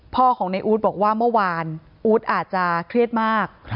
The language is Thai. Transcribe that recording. พ่อของในอู๊ดบอกว่าเมื่อวานอู๊ดอาจจะเครียดมาก